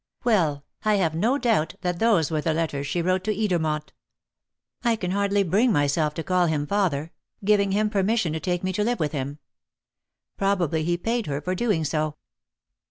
Well, I have no doubt that those were the letters she wrote to Edermont I can hardly bring myself to call him father giving him permission to take me to live with him. Probably he paid her for doing so."